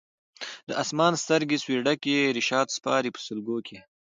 د اسمان سترګي سوې ډکي رشاد سپاري په سلګو کي